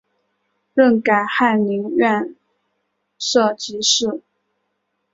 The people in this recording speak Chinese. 任改翰林院庶吉士。